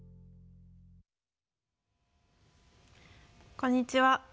こんにちは。